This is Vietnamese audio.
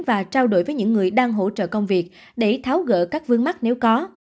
và trao đổi với những người đang hỗ trợ công việc để tháo gỡ các vướng mắt nếu có